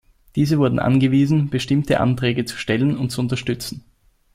Diese wurden angewiesen, bestimmte Anträge zu stellen und zu unterstützen.